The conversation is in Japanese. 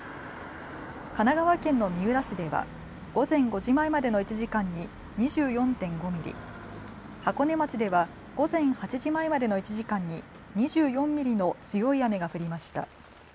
神奈川県の三浦市では午前５時前までの１時間に２４．５ミリ、箱根町では午前８時前までの１時間に２４ミリの強い雨が降りました。